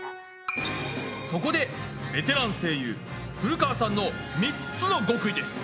そこでベテラン声優古川さんの３つの極意です。